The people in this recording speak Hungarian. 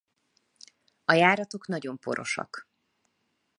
A járatok nagyon porosak.